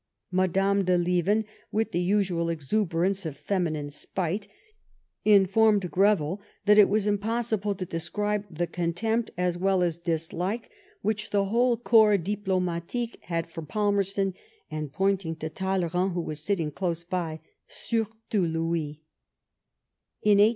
Madame de Lieven, with the usual exuberance of femi nine spite, informed Greville that it was impossible to describe the contempt as well as dislike which the whole Corps Diplomatique had for Palmerston, and, pointing to Talleyrand who was sitting close by, surtout ltd.